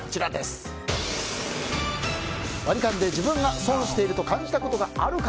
ワリカンで自分が損していると感じたことあるか。